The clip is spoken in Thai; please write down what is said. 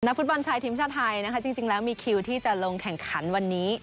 ฟุตบอลชายทีมชาติไทยนะคะจริงแล้วมีคิวที่จะลงแข่งขันวันนี้